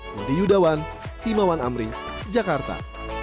budi yudawan himawan amri jakarta